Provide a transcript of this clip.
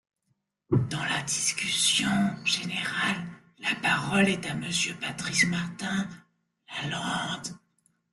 Dans la discussion générale, la parole est à Monsieur Patrice Martin-Lalande.